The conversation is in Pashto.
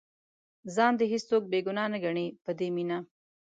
ځان دې هېڅوک بې ګناه نه ګڼي په دې مینه.